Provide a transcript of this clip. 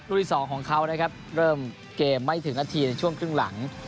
ที่สองของเขานะครับเริ่มเกมไม่ถึงนาทีในช่วงครึ่งหลัง